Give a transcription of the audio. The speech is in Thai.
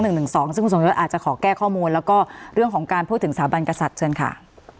ซึ่งคุณสมยศอาจจะขอแก้ข้อมูลแล้วก็เรื่องของการพูดถึงสถาบันกษัตริย์เชิญค่ะ